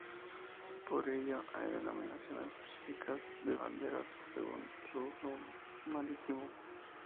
Por ello, hay denominaciones específicas de banderas según su uso marítimo.